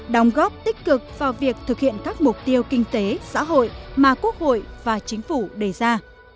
đóng góp tích cực vào việc thực hiện các mục tiêu kinh tế xã hội mà quốc hội và chính phủ đề ra